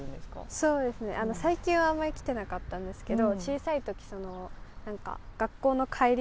そうですね、最近はあまり来てなかったんですけど。